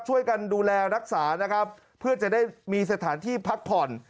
ช่วยกันดูแลรักษานะครับเพื่อจะได้มีสถานที่พักผ่อน